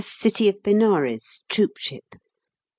CITY OF BENARES (Troopship).